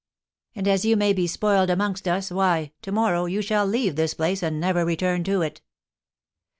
"And as you may be spoiled amongst us, why, to morrow you shall leave this place, and never return to it."